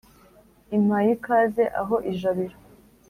impaye ikaze aho ijabiro.